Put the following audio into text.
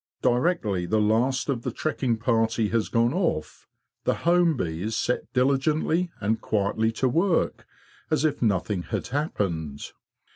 Directly the last of the trekking party has gone off, the home bees set diligently and quietly to work as if nothing had happened.